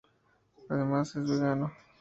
Además, es vegano.